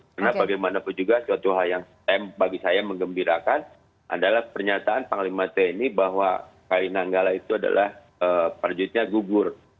karena bagaimana pun juga suatu hal yang bagi saya mengembirakan adalah pernyataan panglima tni bahwa kri nanggala itu adalah prajuritnya gugur